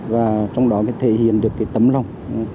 và trong đó thể hiện được cái tấm lòng